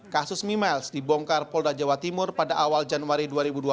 kasus mimiles dibongkar polda jawa timur pada awal januari dua ribu dua puluh